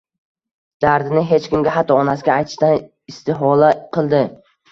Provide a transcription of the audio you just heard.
Dardini hech kimga, hatto onasiga aytishdan istihola qildi